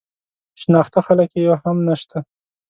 شناخته خلک یې یو هم نه شته.